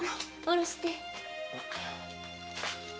下ろして。